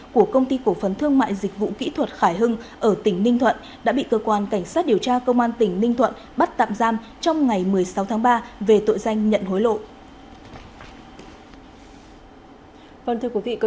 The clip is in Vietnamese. của công ty cổ phấn thương mại dịch vụ kỹ thuật khải hưng ở tỉnh ninh thuận đã bị cơ quan cảnh sát điều tra công an tỉnh ninh thuận bắt tạm giam trong ngày một mươi sáu tháng ba về tội danh nhận hối lộ